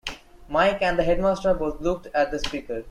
Mike and the headmaster both looked at the speaker.